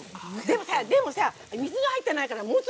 でもさでもさ水が入ってないからもつのよすごく。